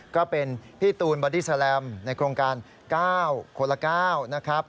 ก็เป็นพี่ตูนบอดี้แลมในโครงการ๙คนละ๙นะครับ